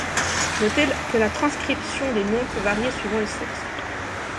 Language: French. Noter que la transcription des noms peut varier suivant les sources.